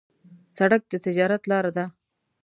سړک د تجارت لار ده.